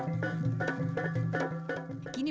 kini barong berasal dari bahasa osing